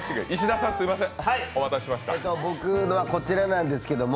僕のはこちらなんです。